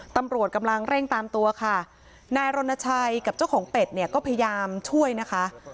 ตำรวจกำลังเร่งตามตัวค่ะนายรณชัยกับเจ้าของเป็ดเนี่ยก็พยายามช่วยนะคะ